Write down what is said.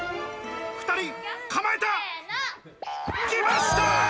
２人構えた！来ました！